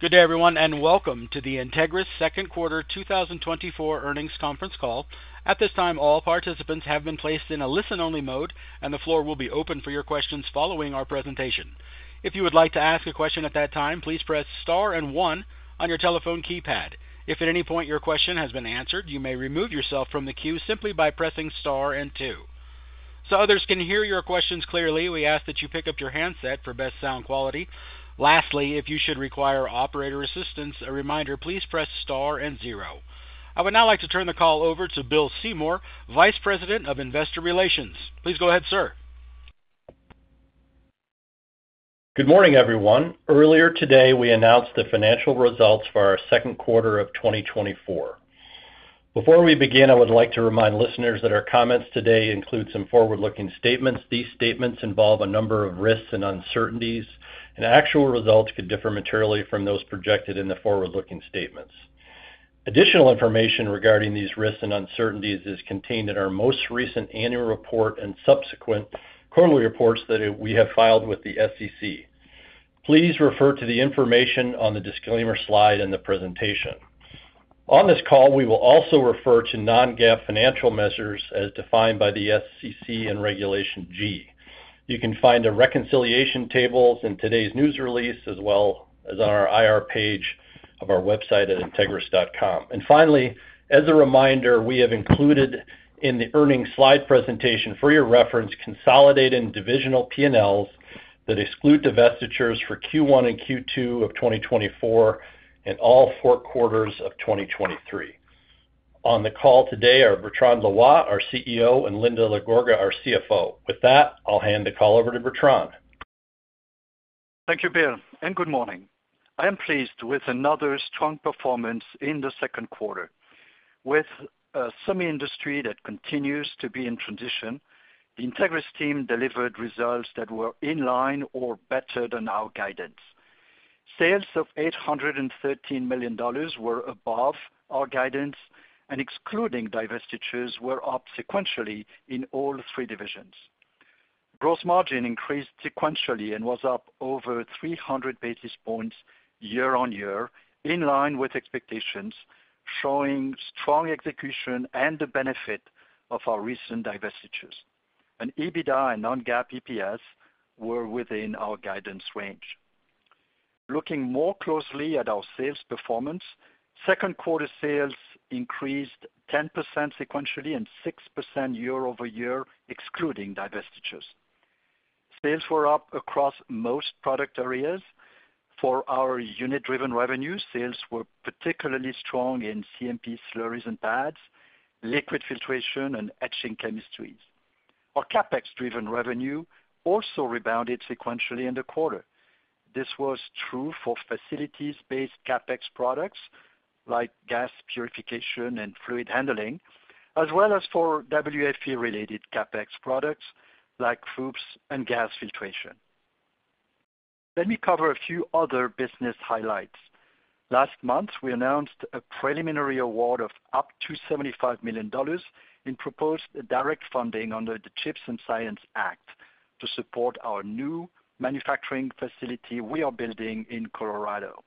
Good day, everyone, and welcome to the Entegris Second Quarter 2024 Earnings Conference Call. At this time, all participants have been placed in a listen-only mode, and the floor will be open for your questions following our presentation. If you would like to ask a question at that time, please press Star and One on your telephone keypad. If at any point your question has been answered, you may remove yourself from the queue simply by pressing Star and Two. So others can hear your questions clearly, we ask that you pick up your handset for best sound quality. Lastly, if you should require operator assistance, a reminder, please press Star and Zero. I would now like to turn the call over to Bill Seymour, Vice President of Investor Relations. Please go ahead, sir. Good morning, everyone. Earlier today, we announced the financial results for our second quarter of 2024. Before we begin, I would like to remind listeners that our comments today include some forward-looking statements. These statements involve a number of risks and uncertainties, and actual results could differ materially from those projected in the forward-looking statements. Additional information regarding these risks and uncertainties is contained in our most recent annual report and subsequent quarterly reports that we have filed with the SEC. Please refer to the information on the disclaimer slide in the presentation. On this call, we will also refer to non-GAAP financial measures as defined by the SEC and Regulation G. You can find the reconciliation tables in today's news release, as well as on our IR page of our website at Entegris.com. Finally, as a reminder, we have included in the earnings slide presentation, for your reference, consolidated divisional P&Ls that exclude divestitures for Q1 and Q2 of 2024 and all four quarters of 2023. On the call today are Bertrand Loy, our CEO, and Linda LaGorga, our CFO. With that, I'll hand the call over to Bertrand. Thank you, Bill, and good morning. I am pleased with another strong performance in the second quarter. With a semi industry that continues to be in transition, the Entegris team delivered results that were in line or better than our guidance. Sales of $813 million were above our guidance, and excluding divestitures, were up sequentially in all three divisions. Gross margin increased sequentially and was up over 300 basis points year-over-year, in line with expectations, showing strong execution and the benefit of our recent divestitures. And EBITDA and non-GAAP EPS were within our guidance range. Looking more closely at our sales performance, second quarter sales increased 10% sequentially and 6% year-over-year, excluding divestitures. Sales were up across most product areas. For our unit-driven revenue, sales were particularly strong in CMP slurries and pads, liquid filtration, and etching chemistries. Our CapEx-driven revenue also rebounded sequentially in the quarter. This was true for facilities-based CapEx products, like gas purification and fluid handling, as well as for WFE-related CapEx products like FOUPs and gas filtration. Let me cover a few other business highlights. Last month, we announced a preliminary award of up to $75 million in proposed direct funding under the CHIPS and Science Act to support our new manufacturing facility we are building in Colorado.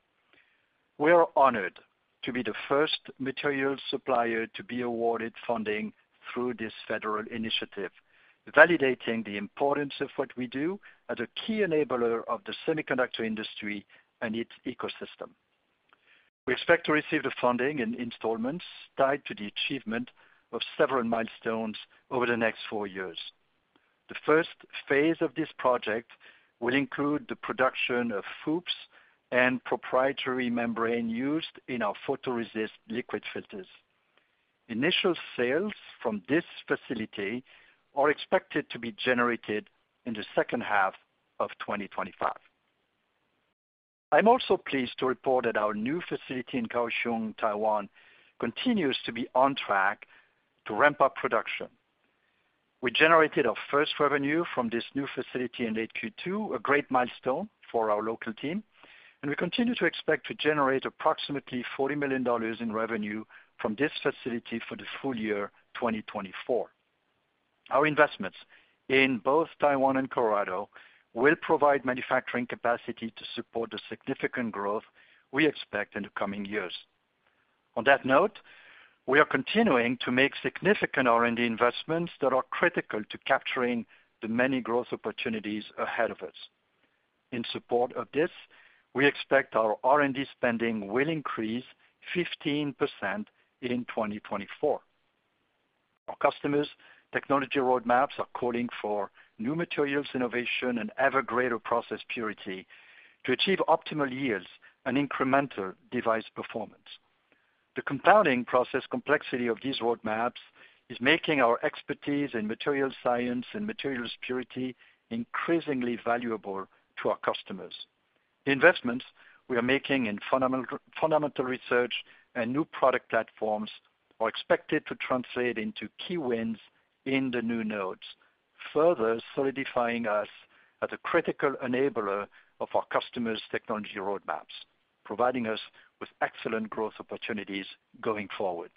We are honored to be the first material supplier to be awarded funding through this federal initiative, validating the importance of what we do as a key enabler of the semiconductor industry and its ecosystem. We expect to receive the funding in installments tied to the achievement of several milestones over the next four years. The first phase of this project will include the production of FOUPs and proprietary membrane used in our photoresist liquid filters. Initial sales from this facility are expected to be generated in the second half of 2025. I'm also pleased to report that our new facility in Kaohsiung, Taiwan, continues to be on track to ramp up production. We generated our first revenue from this new facility in late Q2, a great milestone for our local team, and we continue to expect to generate approximately $40 million in revenue from this facility for the full year 2024. Our investments in both Taiwan and Colorado will provide manufacturing capacity to support the significant growth we expect in the coming years. On that note, we are continuing to make significant R&D investments that are critical to capturing the many growth opportunities ahead of us. In support of this, we expect our R&D spending will increase 15% in 2024. Our customers' technology roadmaps are calling for new materials, innovation, and ever greater process purity to achieve optimal yields and incremental device performance. The compounding process complexity of these roadmaps is making our expertise in material science and materials purity increasingly valuable to our customers. The investments we are making in fundamental research and new product platforms are expected to translate into key wins in the new nodes, further solidifying us as a critical enabler of our customers' technology roadmaps, providing us with excellent growth opportunities going forward.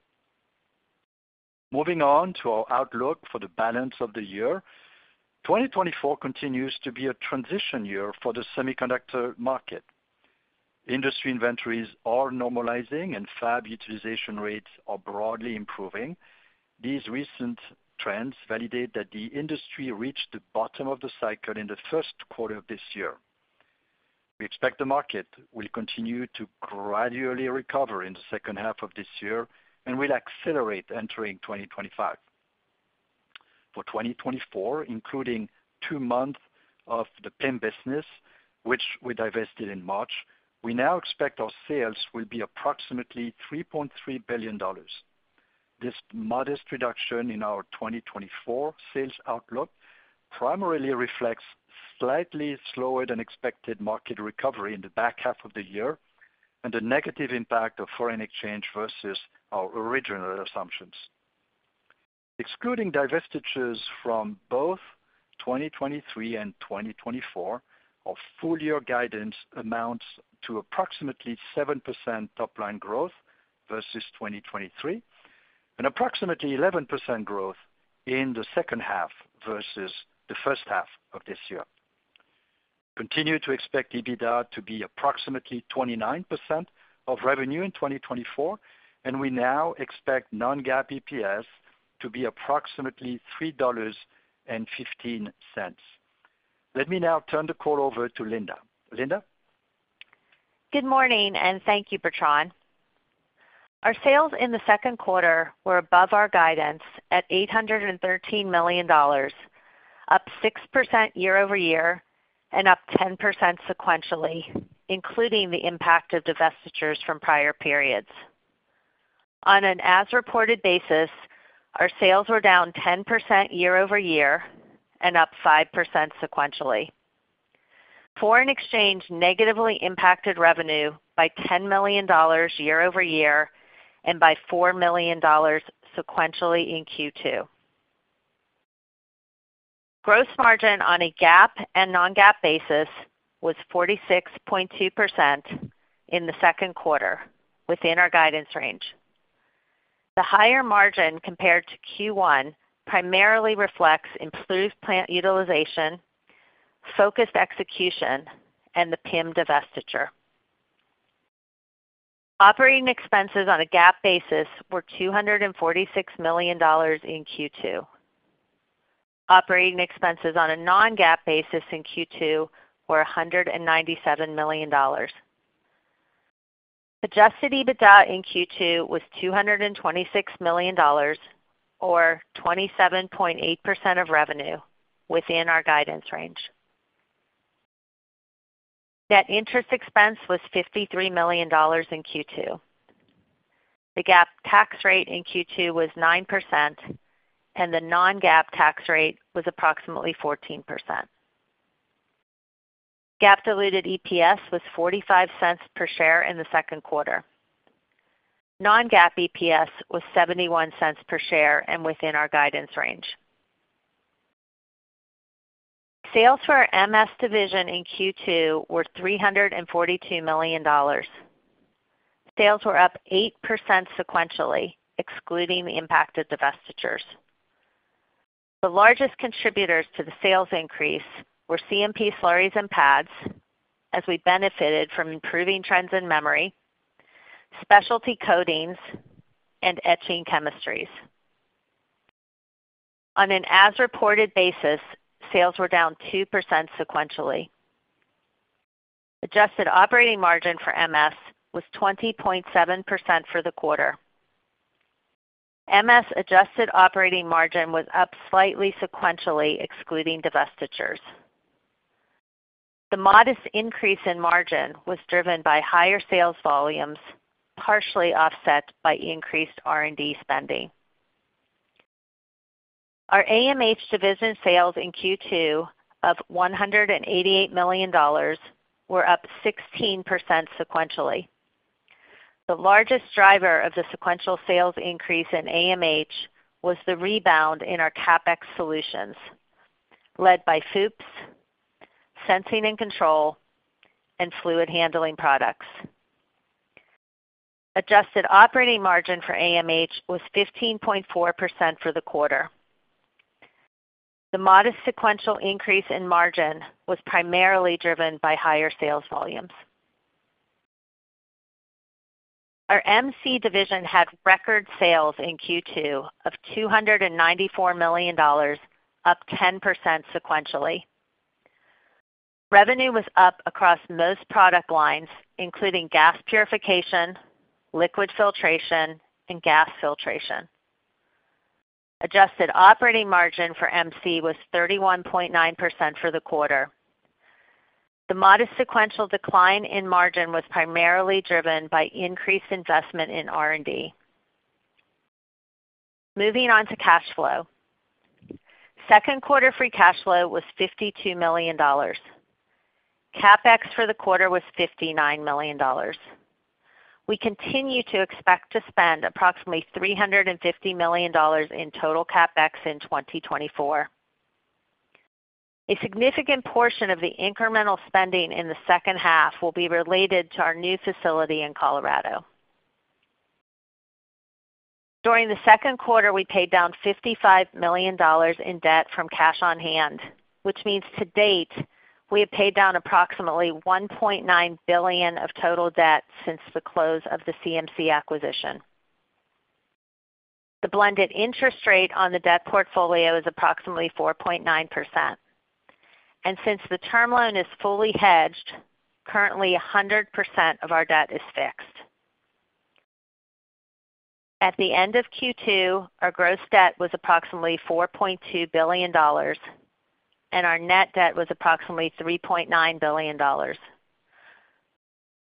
Moving on to our outlook for the balance of the year. 2024 continues to be a transition year for the semiconductor market. Industry inventories are normalizing, and fab utilization rates are broadly improving. These recent trends validate that the industry reached the bottom of the cycle in the first quarter of this year. We expect the market will continue to gradually recover in the second half of this year and will accelerate entering 2025. For 2024, including two months of the PIM business, which we divested in March, we now expect our sales will be approximately $3.3 billion. This modest reduction in our 2024 sales outlook primarily reflects slightly slower than expected market recovery in the back half of the year and the negative impact of foreign exchange versus our original assumptions. Excluding divestitures from both 2023 and 2024, our full year guidance amounts to approximately 7% top line growth versus 2023, and approximately 11% growth in the second half versus the first half of this year. Continue to expect EBITDA to be approximately 29% of revenue in 2024, and we now expect non-GAAP EPS to be approximately $3.15. Let me now turn the call over to Linda. Linda? Good morning, and thank you, Bertrand. Our sales in the second quarter were above our guidance at $813 million, up 6% year-over-year and up 10% sequentially, including the impact of divestitures from prior periods. On an as-reported basis, our sales were down 10% year-over-year and up 5% sequentially. Foreign exchange negatively impacted revenue by $10 million year-over-year and by $4 million sequentially in Q2. Gross margin on a GAAP and non-GAAP basis was 46.2% in the second quarter, within our guidance range. The higher margin compared to Q1 primarily reflects improved plant utilization, focused execution, and the PIM divestiture. Operating expenses on a GAAP basis were $246 million in Q2. Operating expenses on a non-GAAP basis in Q2 were $197 million. Adjusted EBITDA in Q2 was $226 million, or 27.8% of revenue, within our guidance range. Net interest expense was $53 million in Q2. The GAAP tax rate in Q2 was 9%, and the non-GAAP tax rate was approximately 14%. GAAP diluted EPS was $0.45 per share in the second quarter. Non-GAAP EPS was $0.71 per share and within our guidance range. Sales for our MS division in Q2 were $342 million. Sales were up 8% sequentially, excluding the impact of divestitures. The largest contributors to the sales increase were CMP slurries and pads, as we benefited from improving trends in memory, specialty coatings, and etching chemistries. On an as-reported basis, sales were down 2% sequentially. Adjusted operating margin for MS was 20.7% for the quarter. MS adjusted operating margin was up slightly sequentially, excluding divestitures. The modest increase in margin was driven by higher sales volumes, partially offset by increased R&D spending. Our AMH division sales in Q2 of $188 million were up 16% sequentially. The largest driver of the sequential sales increase in AMH was the rebound in our CapEx solutions, led by FOUPs, sensing and control, and fluid handling products. Adjusted operating margin for AMH was 15.4% for the quarter. The modest sequential increase in margin was primarily driven by higher sales volumes. Our MC division had record sales in Q2 of $294 million, up 10% sequentially. Revenue was up across most product lines, including gas purification, liquid filtration, and gas filtration. Adjusted operating margin for MC was 31.9% for the quarter. The modest sequential decline in margin was primarily driven by increased investment in R&D. Moving on to cash flow. Second quarter free cash flow was $52 million. CapEx for the quarter was $59 million. We continue to expect to spend approximately $350 million in total CapEx in 2024. A significant portion of the incremental spending in the second half will be related to our new facility in Colorado. During the second quarter, we paid down $55 million in debt from cash on hand, which means to date, we have paid down approximately $1.9 billion of total debt since the close of the CMC acquisition. The blended interest rate on the debt portfolio is approximately 4.9%, and since the term loan is fully hedged, currently 100% of our debt is fixed. At the end of Q2, our gross debt was approximately $4.2 billion, and our net debt was approximately $3.9 billion.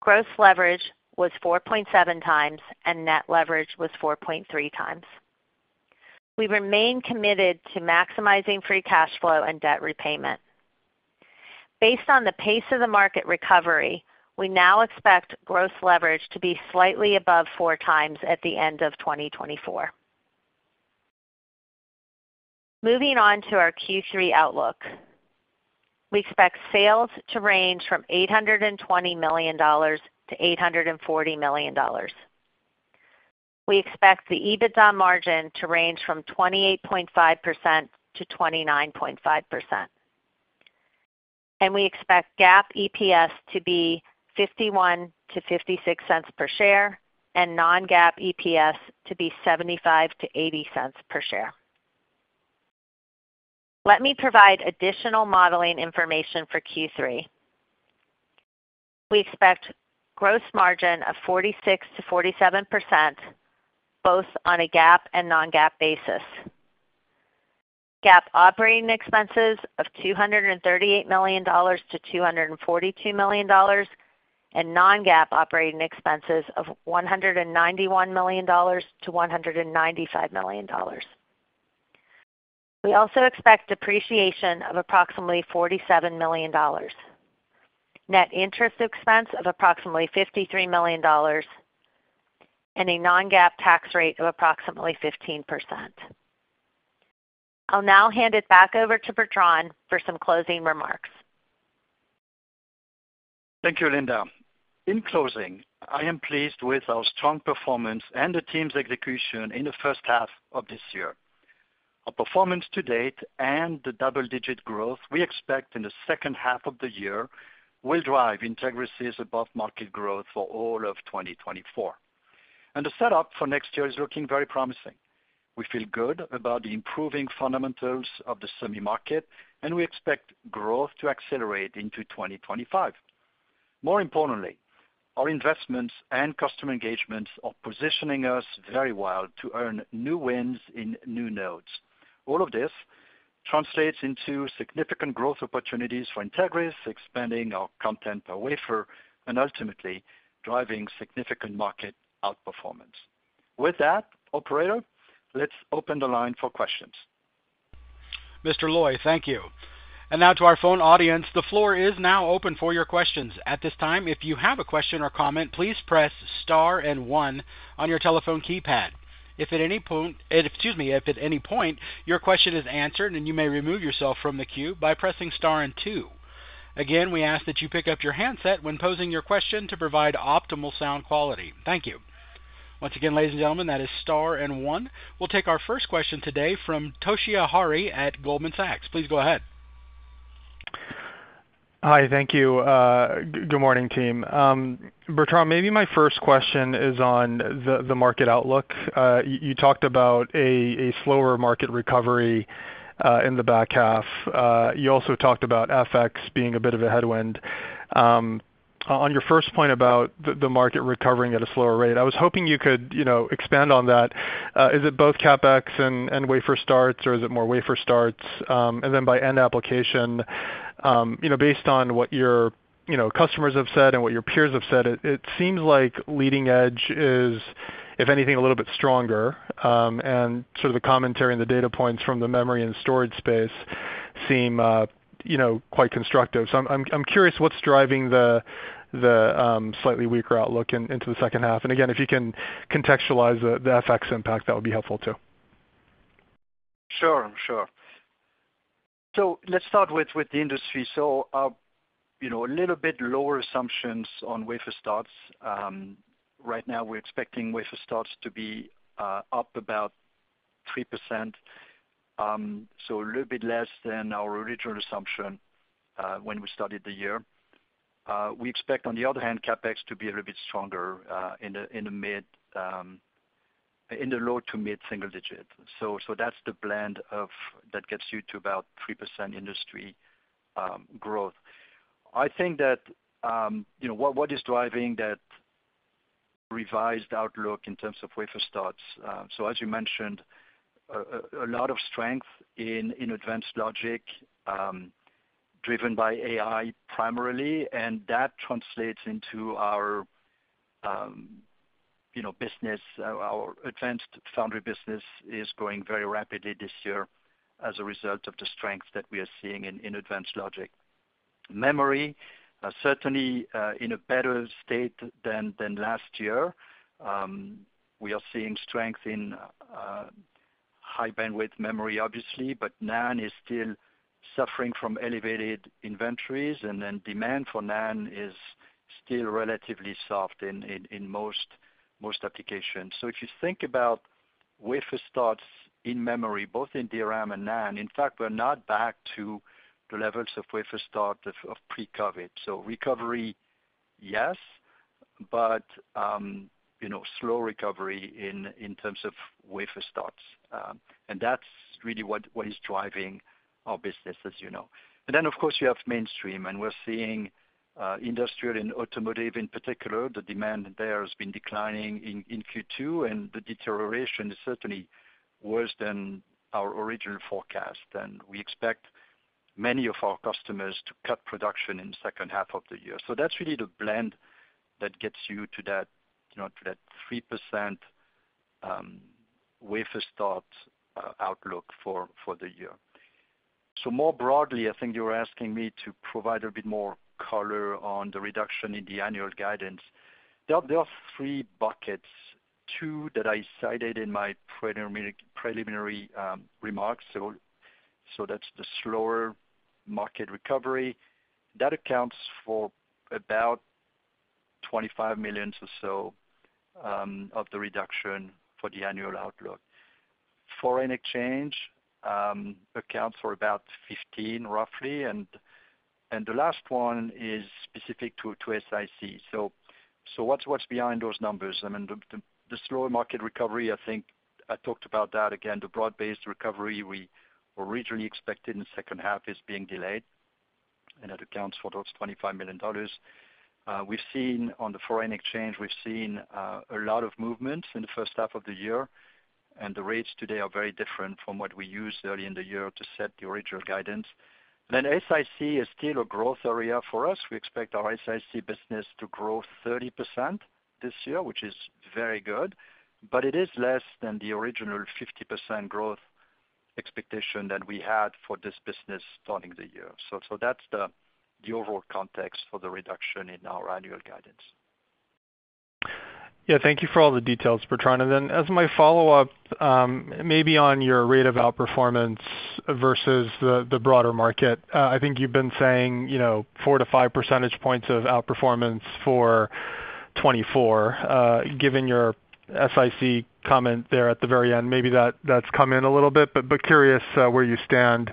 Gross leverage was 4.7x, and net leverage was 4.3x. We remain committed to maximizing free cash flow and debt repayment. Based on the pace of the market recovery, we now expect gross leverage to be slightly above 4x at the end of 2024. Moving on to our Q3 outlook. We expect sales to range from $820 million to $840 million. We expect the EBITDA margin to range from 28.5% to 29.5%. And we expect GAAP EPS to be $0.51-$0.56 per share, and non-GAAP EPS to be $0.75-$0.80 per share. Let me provide additional modeling information for Q3. We expect gross margin of 46%-47%, both on a GAAP and non-GAAP basis. GAAP operating expenses of $238 million-$242 million, and non-GAAP operating expenses of $191 million-$195 million. We also expect depreciation of approximately $47 million, net interest expense of approximately $53 million, and a non-GAAP tax rate of approximately 15%. I'll now hand it back over to Bertrand for some closing remarks. Thank you, Linda. In closing, I am pleased with our strong performance and the team's execution in the first half of this year. Our performance to date and the double-digit growth we expect in the second half of the year will drive Entegris' above-market growth for all of 2024. The setup for next year is looking very promising. We feel good about the improving fundamentals of the semi market, and we expect growth to accelerate into 2025. More importantly, our investments and customer engagements are positioning us very well to earn new wins in new nodes. All of this translates into significant growth opportunities for Entegris, expanding our content per wafer, and ultimately, driving significant market outperformance. With that, operator, let's open the line for questions. Mr. Loy, thank you. Now to our phone audience, the floor is now open for your questions. At this time, if you have a question or comment, please press star and one on your telephone keypad. If at any point, excuse me, if at any point your question is answered, then you may remove yourself from the queue by pressing star and two. Again, we ask that you pick up your handset when posing your question to provide optimal sound quality. Thank you. Once again, ladies and gentlemen, that is star and one. We'll take our first question today from Toshiya Hari at Goldman Sachs. Please go ahead. Hi, thank you. Good morning, team. Bertrand, maybe my first question is on the market outlook. You talked about a slower market recovery in the back half. You also talked about FX being a bit of a headwind. On your first point about the market recovering at a slower rate, I was hoping you could, you know, expand on that. Is it both CapEx and wafer starts, or is it more wafer starts? And then by end application, you know, based on what your customers have said and what your peers have said, it seems like leading edge is, if anything, a little bit stronger, and sort of the commentary and the data points from the memory and storage space seem, you know, quite constructive. So I'm curious, what's driving the slightly weaker outlook into the second half? And again, if you can contextualize the FX impact, that would be helpful too. Sure, sure. So let's start with the industry. So, you know, a little bit lower assumptions on wafer starts. Right now, we're expecting wafer starts to be up about 3%, so a little bit less than our original assumption when we started the year. We expect, on the other hand, CapEx to be a little bit stronger in the low to mid single digit. So that's the blend of that gets you to about 3% industry growth. I think that, you know, what is driving that revised outlook in terms of wafer starts, so as you mentioned, a lot of strength in advanced logic, driven by AI primarily, and that translates into our, you know, business. Our advanced foundry business is growing very rapidly this year as a result of the strength that we are seeing in advanced logic. Memory are certainly in a better state than last year. We are seeing strength in high bandwidth memory, obviously, but NAND is still suffering from elevated inventories, and then demand for NAND is still relatively soft in most applications. So if you think about wafer starts in memory, both in DRAM and NAND, in fact, we're not back to the levels of wafer start of pre-COVID. So recovery, yes, but you know, slow recovery in terms of wafer starts. And that's really what is driving our business, as you know. And then, of course, you have mainstream, and we're seeing industrial and automotive, in particular, the demand there has been declining in Q2, and the deterioration is certainly worse than our original forecast. And we expect many of our customers to cut production in the second half of the year. So that's really the blend that gets you to that, you know, to that 3% wafer start outlook for the year. So more broadly, I think you were asking me to provide a bit more color on the reduction in the annual guidance. There are three buckets, two that I cited in my preliminary remarks, so that's the slower market recovery. That accounts for about $25 million or so of the reduction for the annual outlook. Foreign exchange accounts for about 15, roughly, and the last one is specific to SiC. So what's behind those numbers? I mean, the slower market recovery, I think I talked about that. Again, the broad-based recovery we originally expected in the second half is being delayed, and that accounts for those $25 million. We've seen on the foreign exchange, we've seen a lot of movement in the first half of the year, and the rates today are very different from what we used early in the year to set the original guidance. Then SiC is still a growth area for us. We expect our SiC business to grow 30% this year, which is very good, but it is less than the original 50% growth expectation that we had for this business starting the year. So that's the overall context for the reduction in our annual guidance. Yeah, thank you for all the details, Bertrand. Then as my follow-up, maybe on your rate of outperformance versus the broader market, I think you've been saying, you know, 4-5 percentage points of outperformance for 2024. Given your SiC comment there at the very end, maybe that's come in a little bit, but curious, where you stand,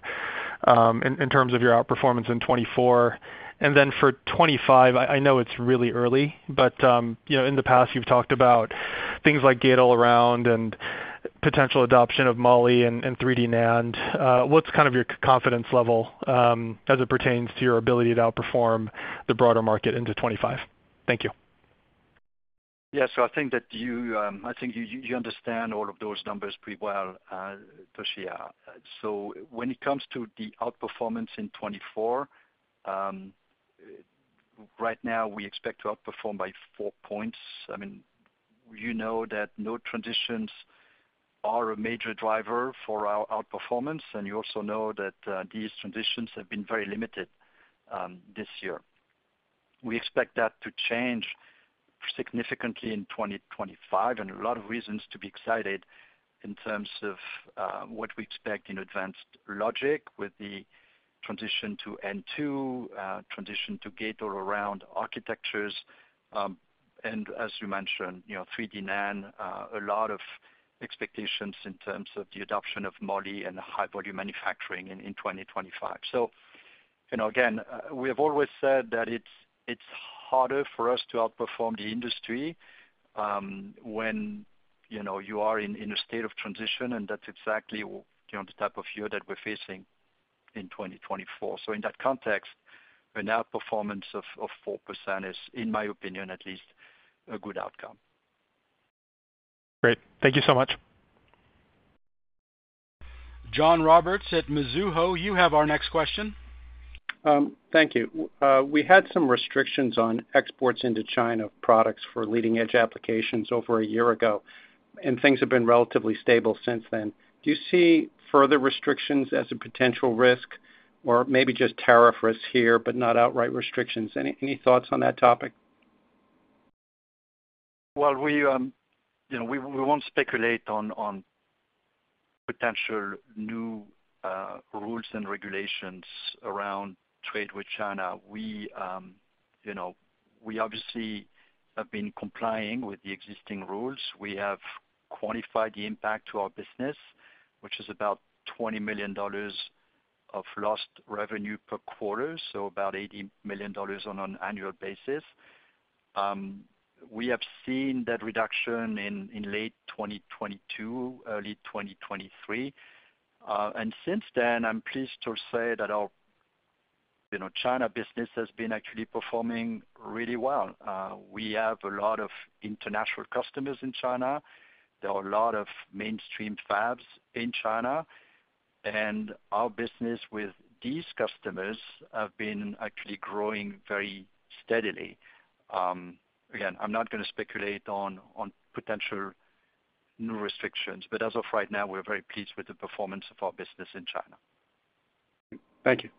in terms of your outperformance in 2024. And then for 2025, I know it's really early, but, you know, in the past, you've talked about things like Gate-All-Around and potential adoption of Moly and 3D NAND. What's kind of your confidence level, as it pertains to your ability to outperform the broader market into 2025? Thank you. Yeah. So I think that you, I think you understand all of those numbers pretty well, Toshi, so when it comes to the outperformance in 2024, right now, we expect to outperform by 4 points. I mean, you know that no transitions are a major driver for our outperformance, and you also know that these transitions have been very limited this year. We expect that to change significantly in 2025, and a lot of reasons to be excited in terms of what we expect in advanced logic with the transition to N2, transition to gate-all-around architectures. And as you mentioned, you know, 3D NAND, a lot of expectations in terms of the adoption of Moly and high-volume manufacturing in 2025. So, you know, again, we have always said that it's, it's harder for us to outperform the industry, when, you know, you are in, in a state of transition, and that's exactly, you know, the type of year that we're facing in 2024. So in that context, an outperformance of, of 4% is, in my opinion, at least, a good outcome. Great. Thank you so much. John Roberts at Mizuho, you have our next question. Thank you. We had some restrictions on exports into China of products for leading-edge applications over a year ago, and things have been relatively stable since then. Do you see further restrictions as a potential risk, or maybe just tariff risks here, but not outright restrictions? Any thoughts on that topic? Well, you know, we won't speculate on potential new rules and regulations around trade with China. You know, we obviously have been complying with the existing rules. We have quantified the impact to our business, which is about $20 million of lost revenue per quarter, so about $80 million on an annual basis. We have seen that reduction in late 2022, early 2023. And since then, I'm pleased to say that our, you know, China business has been actually performing really well. We have a lot of international customers in China. There are a lot of mainstream fabs in China, and our business with these customers have been actually growing very steadily. Again, I'm not gonna speculate on potential new restrictions. But as of right now, we're very pleased with the performance of our business in China. Thank you.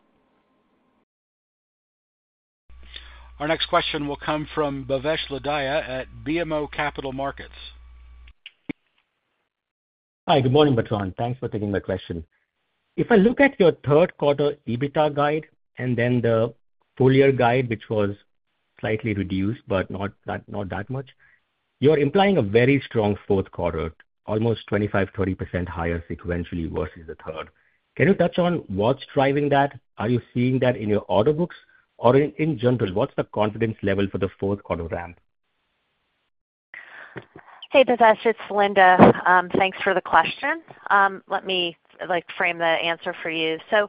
Our next question will come from Bhavesh Lodaya at BMO Capital Markets. Hi, good morning, Bertrand. Thanks for taking my question. If I look at your third quarter EBITDA guide and then the full year guide, which was slightly reduced, but not that, not that much, you're implying a very strong Q4, almost 25%-30% higher sequentially versus the third. Can you touch on what's driving that? Are you seeing that in your order books, or in, in general, what's the confidence level for the Q4 ramp? Hey, Bhavesh, it's Linda. Thanks for the question. Let me, like, frame the answer for you. So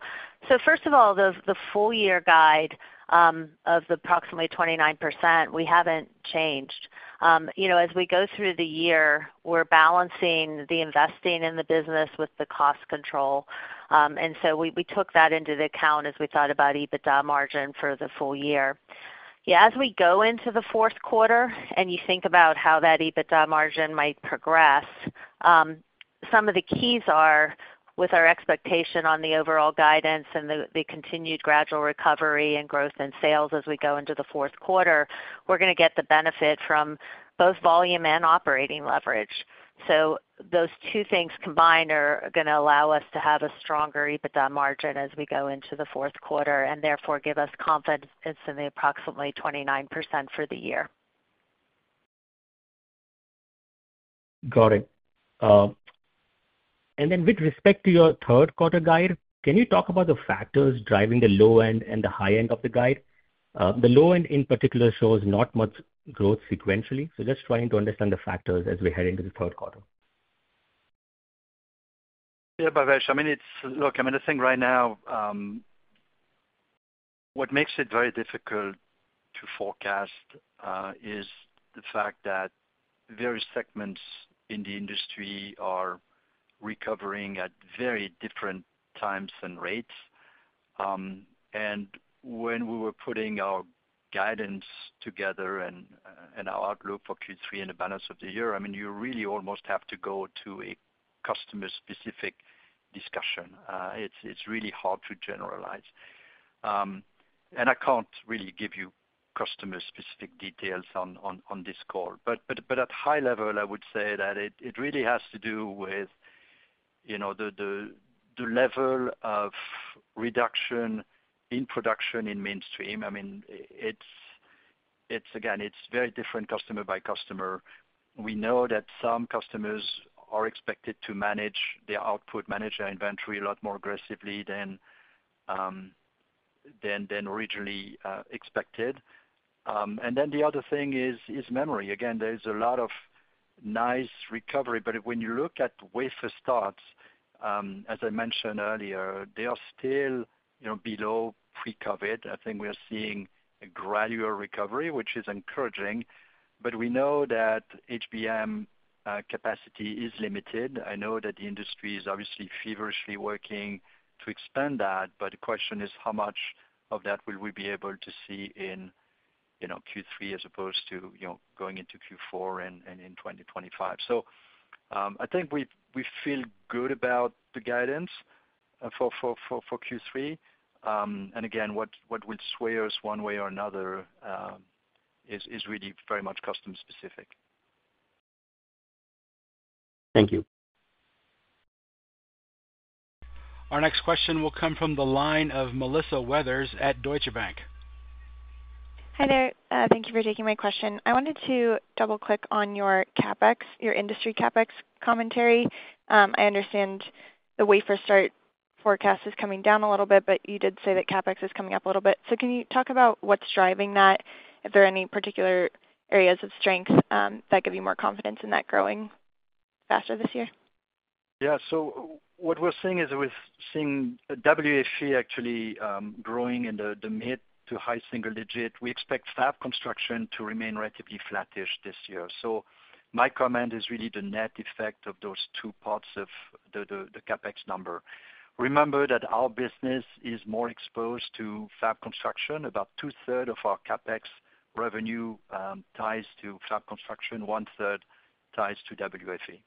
first of all, the full year guide of approximately 29%, we haven't changed. You know, as we go through the year, we're balancing the investing in the business with the cost control. And so we took that into the account as we thought about EBITDA margin for the full year. Yeah, as we go into the Q4, and you think about how that EBITDA margin might progress, some of the keys are with our expectation on the overall guidance and the continued gradual recovery and growth in sales as we go into the Q4, we're gonna get the benefit from both volume and operating leverage. So those two things combined are gonna allow us to have a stronger EBITDA margin as we go into the Q4, and therefore give us confidence in the approximately 29% for the year. Got it. And then with respect to your third quarter guide, can you talk about the factors driving the low end and the high end of the guide? The low end in particular shows not much growth sequentially, so just trying to understand the factors as we head into the third quarter. Yeah, Bhavesh, I mean, it's, look, I mean, I think right now what makes it very difficult to forecast is the fact that various segments in the industry are recovering at very different times and rates. And when we were putting our guidance together and our outlook for Q3 and the balance of the year, I mean, you really almost have to go to a customer-specific discussion. It's really hard to generalize. And I can't really give you customer-specific details on this call. But at high level, I would say that it really has to do with, you know, the level of reduction in production in mainstream. I mean, it's again very different customer by customer. We know that some customers are expected to manage their output, manage their inventory a lot more aggressively than originally expected. And then the other thing is memory. Again, there is a lot of nice recovery, but when you look at wafer starts, as I mentioned earlier, they are still, you know, below pre-COVID. I think we are seeing a gradual recovery, which is encouraging, but we know that HBM capacity is limited. I know that the industry is obviously feverishly working to expand that, but the question is, how much of that will we be able to see in, you know, Q3 as opposed to, you know, going into Q4 and in 2025? So, I think we feel good about the guidance for Q3. Again, what would sway us one way or another is really very much customer specific. Thank you. Our next question will come from the line of Melissa Weathers at Deutsche Bank. Hi there. Thank you for taking my question. I wanted to double-click on your CapEx, your industry CapEx commentary. I understand the wafer start forecast is coming down a little bit, but you did say that CapEx is coming up a little bit. So can you talk about what's driving that? If there are any particular areas of strength, that give you more confidence in that growing faster this year? Yeah. So what we're seeing is we've seen WFE actually growing in the mid- to high-single-digit. We expect fab construction to remain relatively flattish this year. So my comment is really the net effect of those two parts of the CapEx number. Remember that our business is more exposed to fab construction. About two-thirds of our CapEx revenue ties to fab construction, one-third ties to WFE.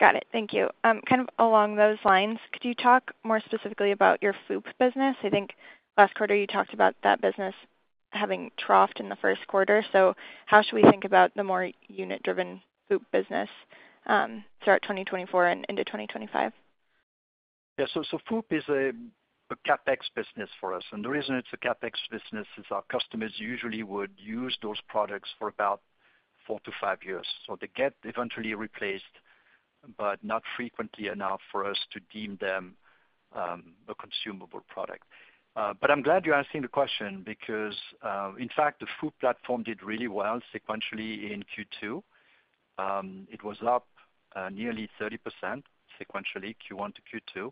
Got it. Thank you. Kind of along those lines, could you talk more specifically about your FOUP business? I think last quarter you talked about that business having troughed in the first quarter, so how should we think about the more unit-driven FOUP business, throughout 2024 and into 2025? Yeah. So FOUP is a CapEx business for us, and the reason it's a CapEx business is our customers usually would use those products for about 4-5 years. So they get eventually replaced, but not frequently enough for us to deem them a consumable product. But I'm glad you're asking the question because in fact, the FOUP platform did really well sequentially in Q2. It was up nearly 30% sequentially, Q1 to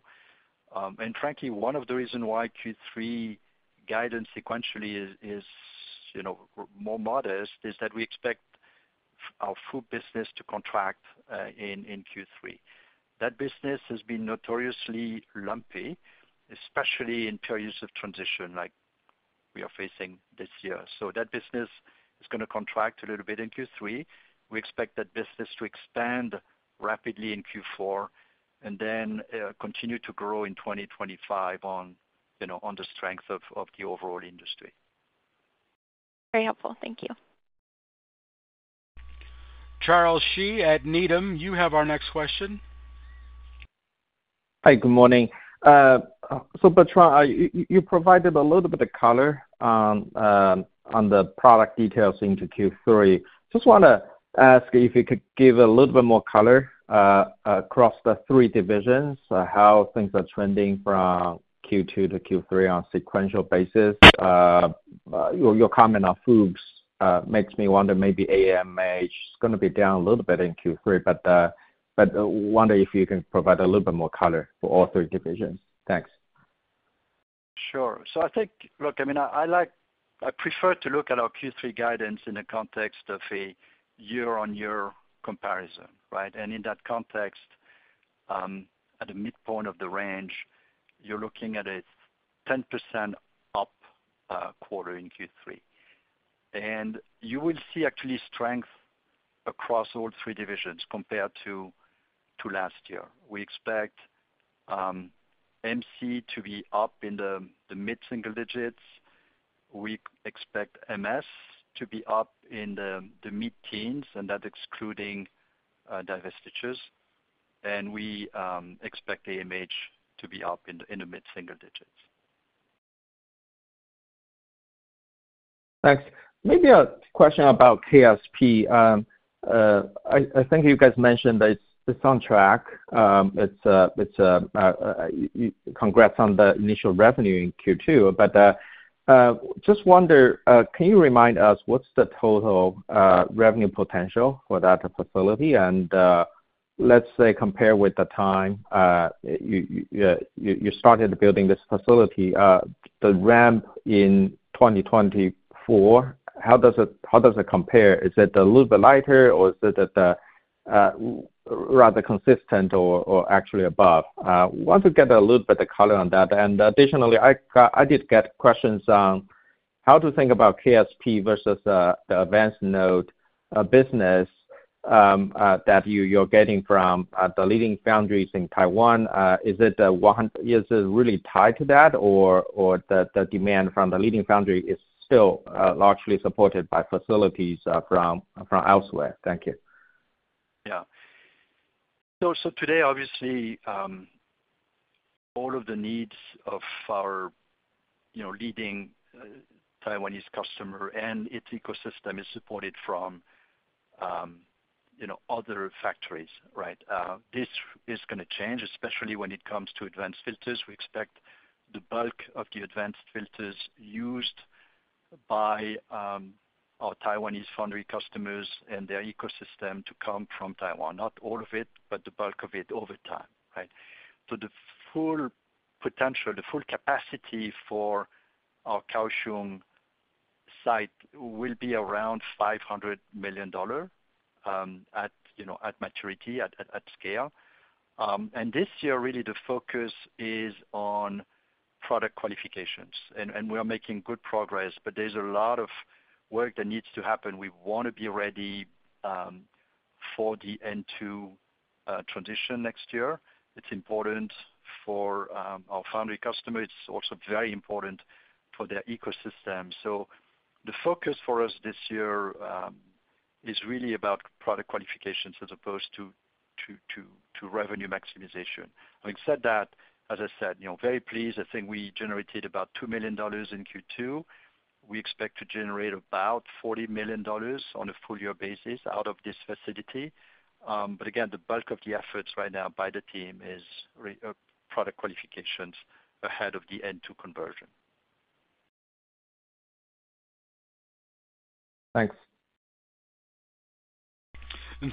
Q2. And frankly, one of the reason why Q3 guidance sequentially is more modest is that we expect our FOUP business to contract in Q3. That business has been notoriously lumpy, especially in periods of transition like now, we are facing this year. So that business is gonna contract a little bit in Q3. We expect that business to expand rapidly in Q4, and then continue to grow in 2025 on, you know, on the strength of the overall industry. Very helpful. Thank you. Charles Shi at Needham, you have our next question. Hi, good morning. Bertrand, you provided a little bit of color on the product details into Q3. Just wanna ask if you could give a little bit more color across the three divisions, how things are trending from Q2 to Q3 on a sequential basis. Your comment on FOUPs makes me wonder, maybe AMH is gonna be down a little bit in Q3, but wonder if you can provide a little bit more color for all three divisions. Thanks. Sure. So I think—look, I mean, I like, I prefer to look at our Q3 guidance in the context of a year-on-year comparison, right? And in that context, at the midpoint of the range, you're looking at a 10% up, quarter in Q3. And you will see actually strength across all three divisions compared to last year. We expect MC to be up in the mid-single digits. We expect MS to be up in the mid-teens, and that excluding divestitures. And we expect AMH to be up in the mid-single digits. Thanks. Maybe a question about KSP. I think you guys mentioned that it's on track. Congrats on the initial revenue in Q2, but just wonder, can you remind us what's the total revenue potential for that facility? And let's say, compare with the time you started building this facility, the ramp in 2024, how does it compare? Is it a little bit lighter or is it rather consistent or actually above? Want to get a little bit of color on that. And additionally, I did get questions on how to think about KSP versus the advanced node business that you're getting from the leading foundries in Taiwan. Is it really tied to that or, or the, the demand from the leading foundry is still largely supported by facilities from, from elsewhere? Thank you. Yeah. So today, obviously, all of the needs of our, you know, leading Taiwanese customer and its ecosystem is supported from, you know, other factories, right? This is gonna change, especially when it comes to advanced filters. We expect the bulk of the advanced filters used by, our Taiwanese foundry customers and their ecosystem to come from Taiwan. Not all of it, but the bulk of it over time, right? So the full potential, the full capacity for our Kaohsiung site will be around $500 million, at, you know, at maturity, at scale. And this year, really the focus is on product qualifications, and we are making good progress, but there's a lot of work that needs to happen. We want to be ready, for the N2 transition next year. It's important for our foundry customer. It's also very important for their ecosystem. So the focus for us this year is really about product qualifications as opposed to revenue maximization. Having said that, as I said, you know, very pleased. I think we generated about $2 million in Q2. We expect to generate about $40 million on a full year basis out of this facility. But again, the bulk of the efforts right now by the team is product qualifications ahead of the N2 conversion. Thanks.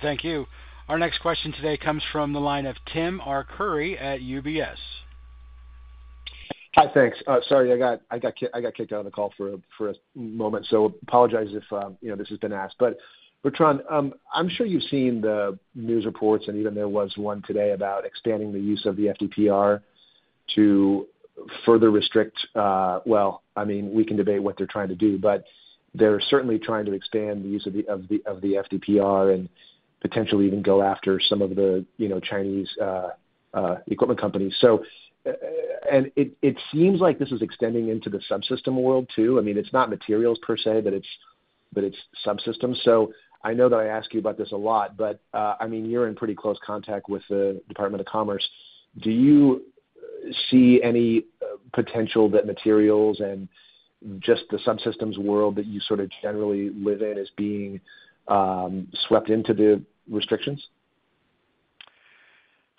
Thank you. Our next question today comes from the line of Tim Arcuri at UBS. Hi, thanks. Sorry, I got kicked out of the call for a moment. So apologize if you know, this has been asked. But Bertrand, I'm sure you've seen the news reports, and even there was one today about expanding the use of the FDPR to further restrict. Well, I mean, we can debate what they're trying to do, but they're certainly trying to expand the use of the FDPR and potentially even go after some of the Chinese equipment companies. So, and it seems like this is extending into the subsystem world, too. I mean, it's not materials per se, but it's subsystems. So I know that I ask you about this a lot, but, I mean, you're in pretty close contact with the Department of Commerce. Do you see any potential that materials and just the subsystems world that you sort of generally live in as being swept into the restrictions?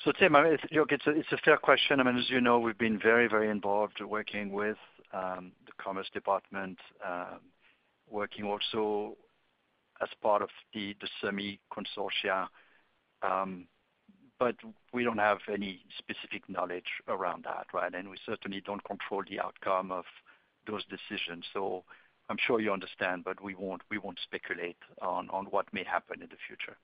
So, Tim, I mean, look, it's a, it's a fair question. I mean, as you know, we've been very, very involved working with, the Commerce Department, working also as part of the, the semi consortia. But we don't have any specific knowledge around that, right? And we certainly don't control the outcome of those decisions. So I'm sure you understand, but we won't, we won't speculate on, on what may happen in the future....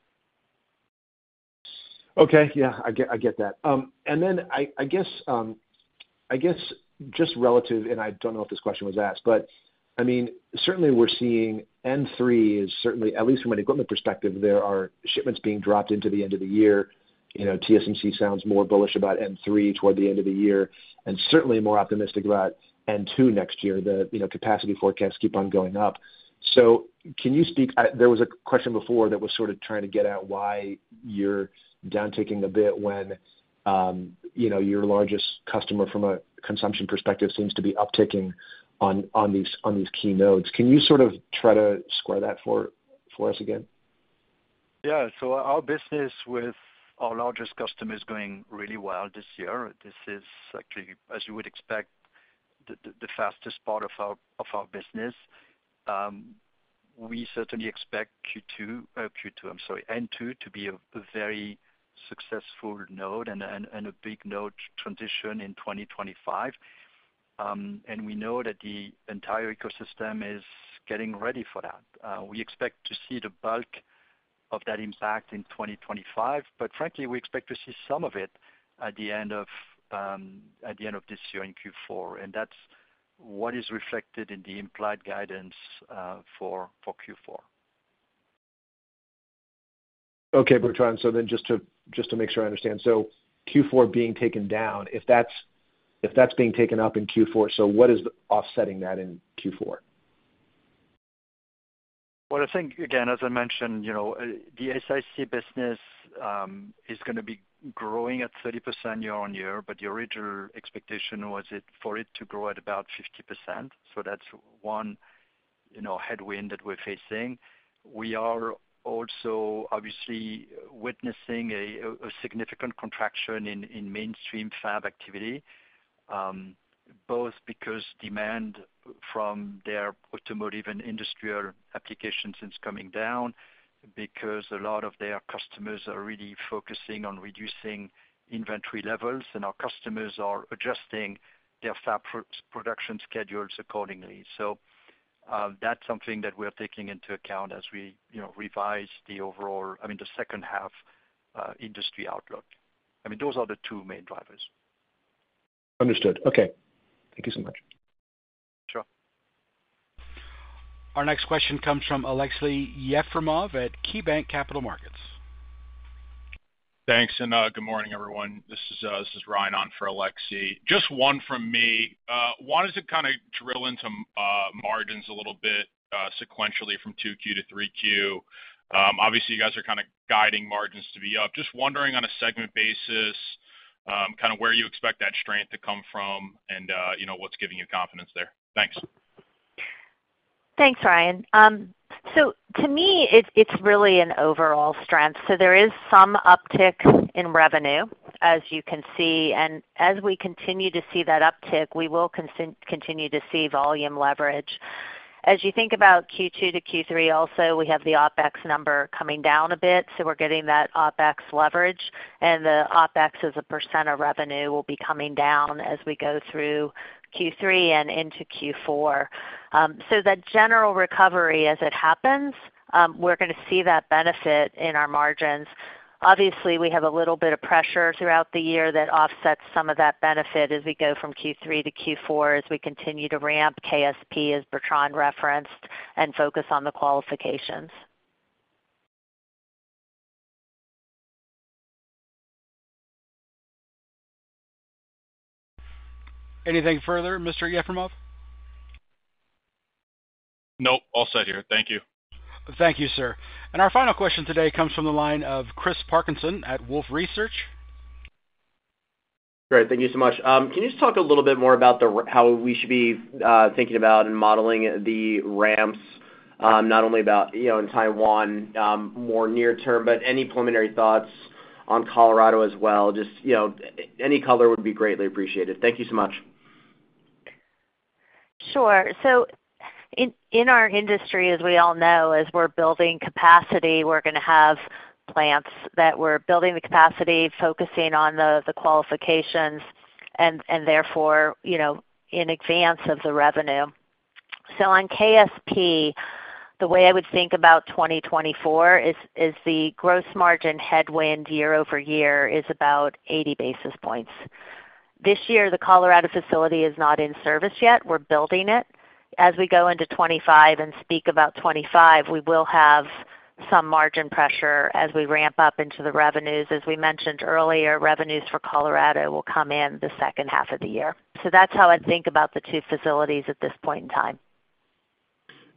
Okay. Yeah, I get, I get that. And then I, I guess, I guess just relative, and I don't know if this question was asked, but I mean, certainly we're seeing N3 is certainly, at least from an equipment perspective, there are shipments being dropped into the end of the year. You know, TSMC sounds more bullish about N3 toward the end of the year, and certainly more optimistic about N2 next year. The, you know, capacity forecasts keep on going up. So can you speak, there was a question before that was sort of trying to get at why you're downticking a bit when, you know, your largest customer from a consumption perspective seems to be upticking on, on these, on these key nodes. Can you sort of try to square that for, for us again? Yeah. So our business with our largest customer is going really well this year. This is actually, as you would expect, the fastest part of our business. We certainly expect Q2, I'm sorry, N2 to be a very successful node and a big node transition in 2025. And we know that the entire ecosystem is getting ready for that. We expect to see the bulk of that impact in 2025, but frankly, we expect to see some of it at the end of this year in Q4, and that's what is reflected in the implied guidance for Q4. Okay, Bertrand. So then just to make sure I understand, so Q4 being taken down, if that's being taken up in Q4, so what is offsetting that in Q4? Well, I think, again, as I mentioned, you know, the SiC business is gonna be growing at 30% year-on-year, but the original expectation was for it to grow at about 50%. So that's one, you know, headwind that we're facing. We are also obviously witnessing a significant contraction in mainstream fab activity, both because demand from their automotive and industrial applications is coming down, because a lot of their customers are really focusing on reducing inventory levels, and our customers are adjusting their fab production schedules accordingly. So, that's something that we're taking into account as we, you know, revise the overall, I mean, the second half, industry outlook. I mean, those are the two main drivers. Understood. Okay. Thank you so much. Sure. Our next question comes from Aleksey Yefremov at KeyBanc Capital Markets. Thanks, and good morning, everyone. This is Ryan on for Aleksey. Just one from me. Wanted to kind of drill into margins a little bit, sequentially from 2Q to 3Q. Obviously, you guys are kind of guiding margins to be up. Just wondering on a segment basis, kind of where you expect that strength to come from, and you know, what's giving you confidence there? Thanks. Thanks, Ryan. To me, it's really an overall strength. There is some uptick in revenue, as you can see. As we continue to see that uptick, we will continue to see volume leverage. As you think about Q2 to Q3 also, we have the OpEx number coming down a bit, so we're getting that OpEx leverage, and the OpEx as a percent of revenue will be coming down as we go through Q3 and into Q4. The general recovery as it happens, we're gonna see that benefit in our margins. Obviously, we have a little bit of pressure throughout the year that offsets some of that benefit as we go from Q3 to Q4, as we continue to ramp KSP, as Bertrand referenced, and focus on the qualifications. Anything further, Mr. Yefremov? Nope, all set here. Thank you. Thank you, sir. And our final question today comes from the line of Chris Parkinson at Wolfe Research. Great, thank you so much. Can you just talk a little bit more about how we should be thinking about and modeling the ramps, not only about, you know, in Taiwan, more near term, but any preliminary thoughts on Colorado as well? Just, you know, any color would be greatly appreciated. Thank you so much. Sure. So in our industry, as we all know, as we're building capacity, we're gonna have plants that we're building the capacity, focusing on the qualifications, and therefore, you know, in advance of the revenue. So on KSP, the way I would think about 2024 is the gross margin headwind year-over-year is about 80 basis points. This year, the Colorado facility is not in service yet. We're building it. As we go into 2025 and speak about 2025, we will have some margin pressure as we ramp up into the revenues. As we mentioned earlier, revenues for Colorado will come in the second half of the year. So that's how I'd think about the two facilities at this point in time.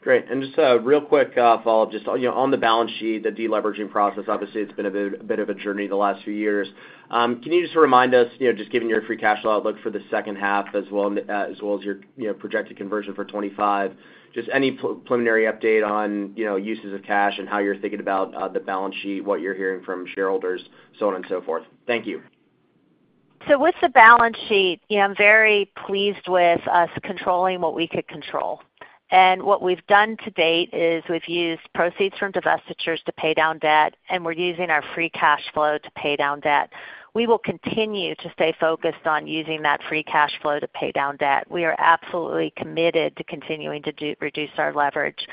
Great. And just a real quick follow-up, just, you know, on the balance sheet, the deleveraging process, obviously, it's been a bit of a journey the last few years. Can you just remind us, you know, just giving your free cash flow outlook for the second half as well, as well as your, you know, projected conversion for 2025, just any preliminary update on, you know, uses of cash and how you're thinking about the balance sheet, what you're hearing from shareholders, so on and so forth? Thank you. So with the balance sheet, you know, I'm very pleased with us controlling what we could control. And what we've done to date is we've used proceeds from divestitures to pay down debt, and we're using our free cash flow to pay down debt. We will continue to stay focused on using that free cash flow to pay down debt. We are absolutely committed to continuing to reduce our leverage.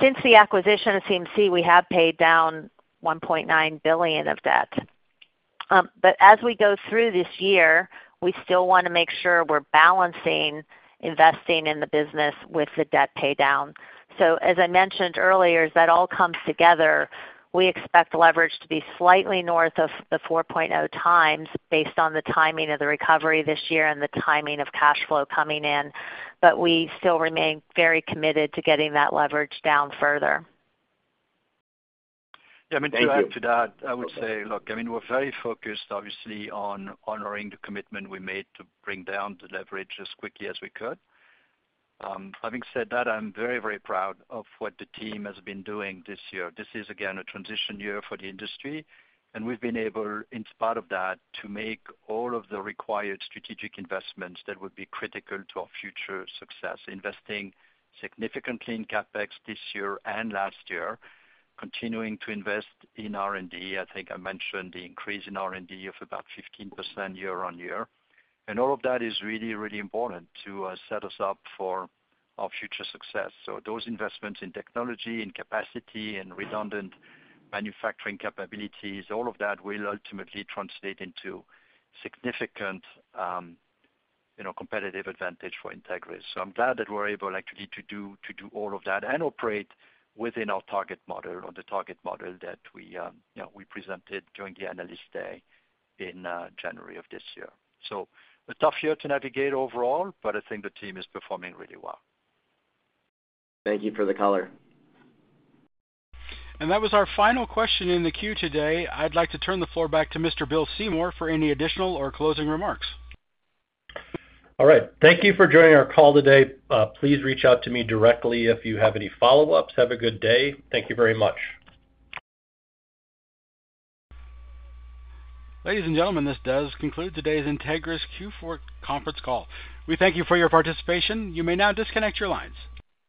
Since the acquisition of CMC, we have paid down $1.9 billion of debt. But as we go through this year, we still want to make sure we're balancing investing in the business with the debt pay down. So as I mentioned earlier, as that all comes together, we expect leverage to be slightly north of the 4.0x, based on the timing of the recovery this year and the timing of cash flow coming in. But we still remain very committed to getting that leverage down further. Yeah, I mean, to add to that, I would say, look, I mean, we're very focused, obviously, on honoring the commitment we made to bring down the leverage as quickly as we could. Having said that, I'm very, very proud of what the team has been doing this year. This is, again, a transition year for the industry, and we've been able, in spite of that, to make all of the required strategic investments that would be critical to our future success. Investing significantly in CapEx this year and last year, continuing to invest in R&D. I think I mentioned the increase in R&D of about 15% year-on-year. And all of that is really, really important to set us up for our future success. So those investments in technology, in capacity, and redundant manufacturing capabilities, all of that will ultimately translate into significant, you know, competitive advantage for Entegris. So I'm glad that we're able actually to do, to do all of that and operate within our target model or the target model that we, you know, we presented during the Analyst Day in January of this year. So a tough year to navigate overall, but I think the team is performing really well. Thank you for the color. That was our final question in the queue today. I'd like to turn the floor back to Mr. Bill Seymour for any additional or closing remarks. All right. Thank you for joining our call today. Please reach out to me directly if you have any follow-ups. Have a good day. Thank you very much. Ladies and gentlemen, this does conclude today's Entegris Q2 conference call. We thank you for your participation. You may now disconnect your lines.